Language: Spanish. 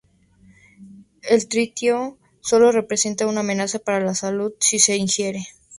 El tritio sólo representa una amenaza para la salud si se ingiere.